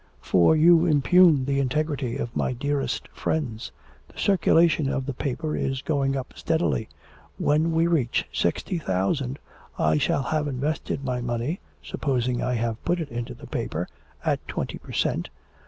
For you impugn the integrity of my dearest friends. The circulation of the paper is going up steadily. When we reach sixty thousand I shall have invested my money, supposing I have put it into the paper at twenty per cent.